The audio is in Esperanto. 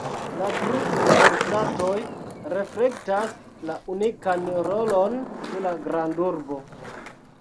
La tri universitatoj reflektas la unikan rolon de la grandurbo.